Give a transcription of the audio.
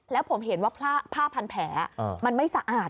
แล้วผมเห็นว่าผ้าพันแผลมันไม่สะอาด